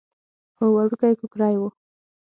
هو وړوکی کوکری و.